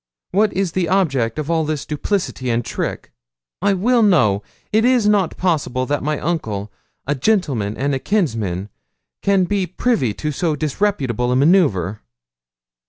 What is the object of all this duplicity and trick. I will know. It is not possible that my uncle, a gentleman and a kinsman, can be privy to so disreputable a manouvre.'